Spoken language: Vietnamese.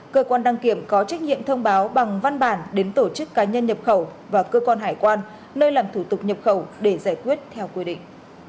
cơ quan đăng kiểm có trách nhiệm thông báo bằng văn bản đến tổ chức cá nhân nhập khẩu và cơ quan hải quan nơi làm thủ tục nhập khẩu để giải quyết theo quy định